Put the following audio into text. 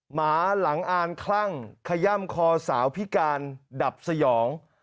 หมาหลังอ่านคลั่งขย่ำคอสาวพิการดับสยอง